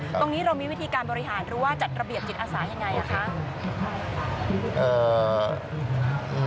ตรงนี้เรามีวิธีการบริหารหรือว่าจัดระเบียบจิตอาสายังไงคะ